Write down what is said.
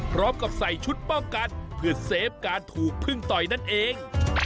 พร้อมกับใส่ชุดป้องกันเพื่อเซฟการถูกพึ่งต่อยนั่นเอง